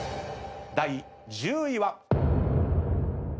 第１０位は。